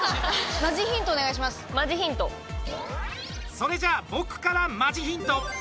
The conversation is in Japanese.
それじゃあ僕からマジヒント。